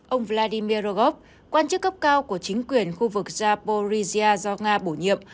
ông vladimir rogov quan chức cấp cao của chính quyền khu vực zaporizhia do nga bổ nhiệm